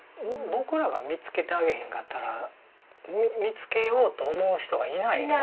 僕らが見つけてあげへんかったら見つけようと思う人がいない。